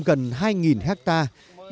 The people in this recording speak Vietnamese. gần hai hectare